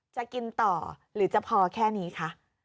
จะกินต่อหรือจะพอแค่นี้คะ